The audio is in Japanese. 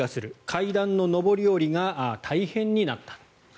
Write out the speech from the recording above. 階段の上り下りが大変になった。